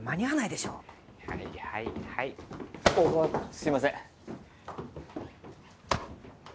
すみません。